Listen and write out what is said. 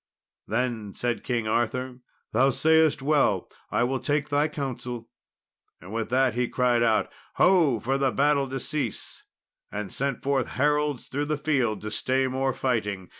Then said King Arthur, "Thou sayest well, and I will take thy counsel." With that he cried out, "Ho!" for the battle to cease, and sent forth heralds through the field to stay more fighting.